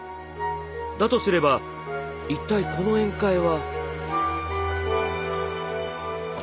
だとすれば一体この宴会は。